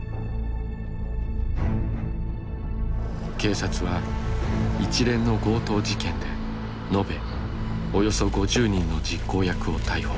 警察は一連の強盗事件で延べおよそ５０人の実行役を逮捕。